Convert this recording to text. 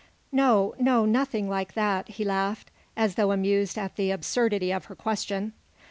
"No, no nothing like that," he laughed, as though amused at the absurdity of her question.